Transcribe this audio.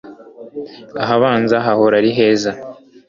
Ahabanza hahora ari heza